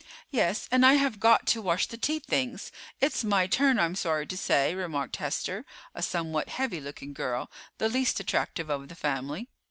"Yes, and I have got to wash the tea things; it's my turn, I'm sorry to say," remarked Hester, a somewhat heavy looking girl, the least attractive of the family.